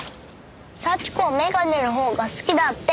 幸子はメガネのほうが好きだって。